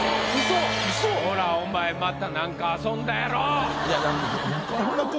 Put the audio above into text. ほらお前また何か遊んだやろ！